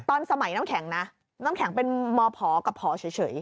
ตอนสมัยน้ำแข็งนะน้ำแข็งเป็นมผกับผอเฉย